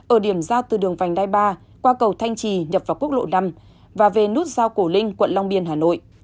ở điểm ra từ đường vành đai ba qua cầu thanh trì nhập vào quốc lộ năm và về nút giao cổ linh quận long biên hà nội